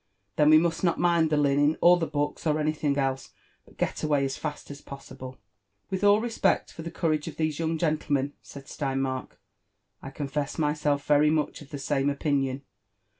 " Then we must not mind the linen or the books or any thing else, but get away as fast as possible." " With all respect for the courage of these young gentlemen," said Steinmark, *'I confess myself very much of the same opinion.